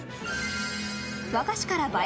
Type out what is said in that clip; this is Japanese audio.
和菓子から映え